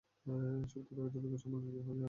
এসব তথাকথিত বিজ্ঞান সম্মেলনে কী হয় জানোই তো।